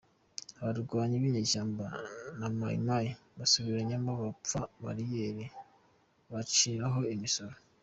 Abarwanyi binyeshyamba na Mayi Mayi basubiranyemo bapfa bariyeri baciraho imisoro